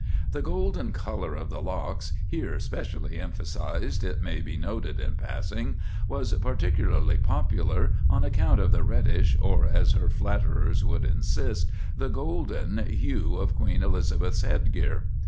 The "golden" color of the locks, here specially emphasized, it may be noted in passing, was particularly popular, on account of the reddish, or, as her flatterers would insist, the golden, hue of Queen Elizabeth's head gear.